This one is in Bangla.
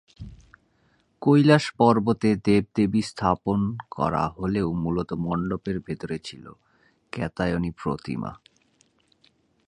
কৈলাস পর্বতে দেব-দেবী স্থাপন করা হলেও মূলত মণ্ডপের ভেতরে ছিল কাত্যায়নী প্রতিমা।